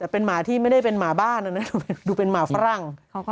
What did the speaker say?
เป็นหมาไม่ได้เป็นหมาบ้านอันนั้นดูมีหมาฝรั่ง